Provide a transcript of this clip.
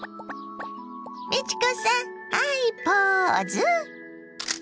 美智子さんハイポーズ！